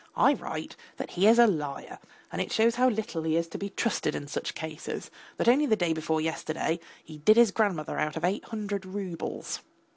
I write, that he is a liar, and it shows how little he is to be trusted in such cases, that only the day before yesterday he did his grandmother out of eight hundred roubles.